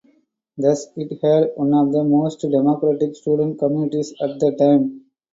Thus, it had one of the most democratic student communities at the time.